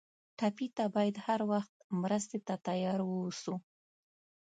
ټپي ته باید هر وخت مرستې ته تیار ووسو.